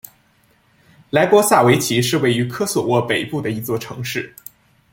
莱波萨维奇是位于科索沃北部的一座城市。